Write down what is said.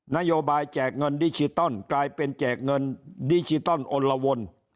นโยบายแจกเงินดิจิตอลกลายเป็นแจกเงินดิจิตอลอนละวน